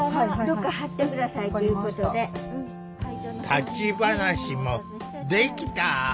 立ち話もできた。